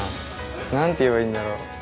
何て言えばいいんだろう。